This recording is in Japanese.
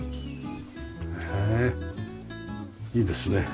ねえいいですね。